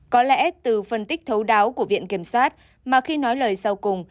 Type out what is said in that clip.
có lẽ từ phân tích thấu đáo của viện kiểm sát mà khi nói lời sau cùng